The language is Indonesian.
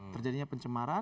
terjadinya pencemaran dan